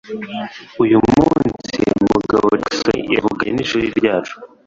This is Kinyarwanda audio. Uyu munsi, Mugabo Jackson yavuganye n’ishuri ryacu.